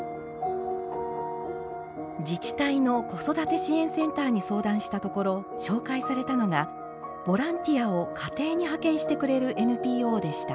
自治体の子育て支援センターに相談したところ紹介されたのがボランティアを家庭に派遣してくれるＮＰＯでした。